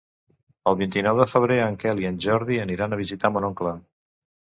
El vint-i-nou de febrer en Quel i en Jordi aniran a visitar mon oncle.